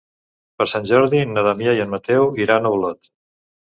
Per Sant Jordi na Damià i en Mateu iran a Olot.